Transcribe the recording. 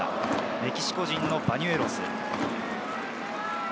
メキシコ人のバニュエロス。